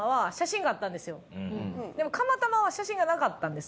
でも釜玉は写真がなかったんですね。